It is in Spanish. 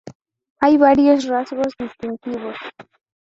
Hay varios rasgos distintivos.